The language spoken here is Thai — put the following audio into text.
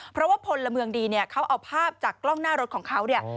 เพราะว่าพลเมืองดีเนี่ยเขาเอาภาพจากกล้องหน้ารถของเขาเนี่ย